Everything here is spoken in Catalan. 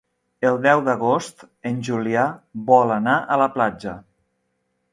El deu d'agost en Julià vol anar a la platja.